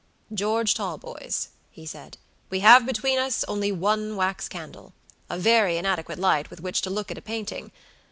"George Talboys," he said, "we have between us only one wax candle, a very inadequate light with which to look at a painting.